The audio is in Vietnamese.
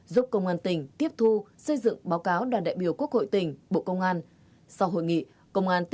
giúp công an tỉnh tiếp thu xây dựng báo cáo đàn đại biểu quốc hội tỉnh bộ công an